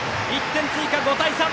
１点追加、５対３。